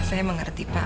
ya saya mengerti pak